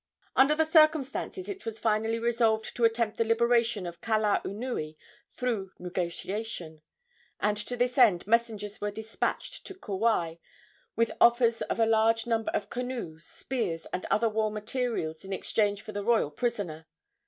Under the circumstances it was finally resolved to attempt the liberation of Kalaunui through negotiation; and to this end messengers were despatched to Kauai with offers of a large number of canoes, spears and other war materials in exchange for the royal prisoner.